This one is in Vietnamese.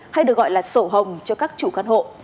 nên được gọi là sổ hồng cho các chủ khán hộ